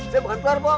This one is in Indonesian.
saya makan telur po